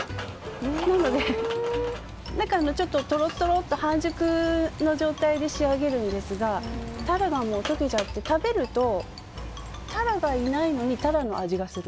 なので中がちょっととろっと半熟の状態で仕上げるんですがタラが溶けちゃって食べると、タラがいないのにタラの味がする。